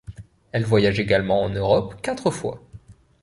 Elle voyage également en Europe quatre fois.